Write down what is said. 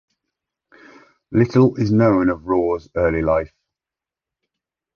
Little is known of Rore's early life.